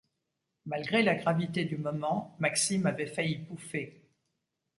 Malgré la gravité du moment, Maxime avait failli pouffer.